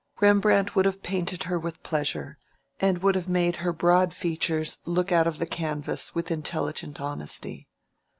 Rembrandt would have painted her with pleasure, and would have made her broad features look out of the canvas with intelligent honesty.